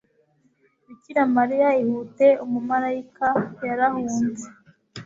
Bikira Mariya Ihute Umumarayika yarahunze